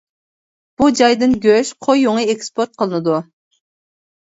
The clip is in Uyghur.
بۇ جايدىن گۆش، قوي يۇڭى ئېكسپورت قىلىنىدۇ.